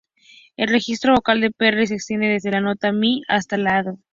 El registro vocal de Perry se extiende desde la nota "mi" hasta la "do".